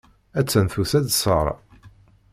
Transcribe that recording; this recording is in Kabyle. Attan tusa-d Sarah.